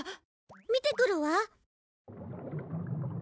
見てくるわ。